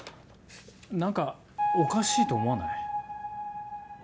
何かおかしいと思わない？